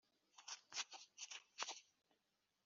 gatozi yandikiwe cyangwa yashingiwe mu nama